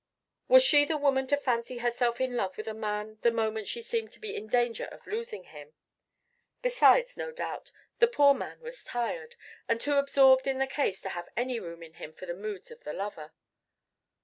Was she the woman to fancy herself in love with a man the moment she seemed to be in danger of losing him? Besides, no doubt, the poor man was tired, and too absorbed in the case to have any room in him for the moods of the lover.